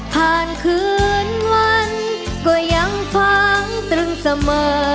ผ่านคืนวันก็ยังฟ้างตรงเสมอ